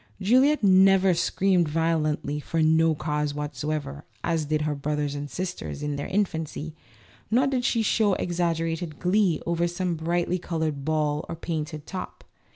Juliette never screamed violently for " no cause whatsoever," as did her brothers and sisters in A LITTLE STUDY IN COMMON SENSE. 79 their infancy, nor did she show exaggerated glee over some brightly colored ball or painted top.